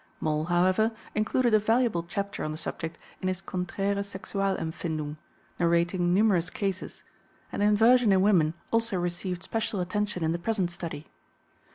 Moll, however, included a valuable chapter on the subject in his Konträre Sexualempfindung, narrating numerous cases, and inversion in women also received special attention in the present Study.